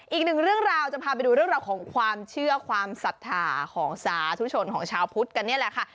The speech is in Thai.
อีกหนึ่งเรื่องราวจะพาไปดูเรื่องราวของความเชื่อความศรัทธาของสาธุชนของชาวพุทธกันนี่แหละค่ะ